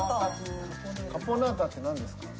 カポナータって何ですか？